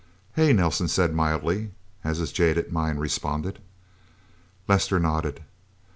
"Hey!" Nelsen said mildly, as his jaded mind responded. Lester nodded.